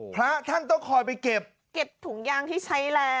พระท่านต้องคอยไปเก็บเก็บถุงยางที่ใช้แล้ว